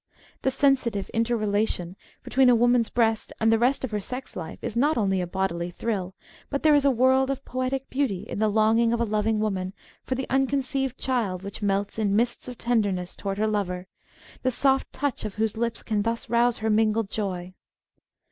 The sensitive inter relation between a woman's breasts and the rest of her sex life is not only a bodily thrill, but there is a world of poetic beauty in the longing of a loving woman for the unconceived child which melts in mists of tenderness toward her lover, the soft touch of whose lips can thus rouse her mingled joy.